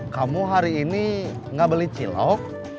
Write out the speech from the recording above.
kamu hari ini nggak beli cilok